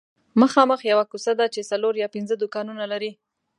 مخامخ یوه کوڅه ده چې څلور یا پنځه دوکانونه لري